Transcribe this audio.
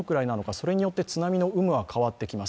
それによって津波の有無は変わってきます。